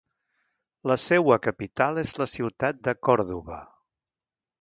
La seua capital és la ciutat de Còrdova.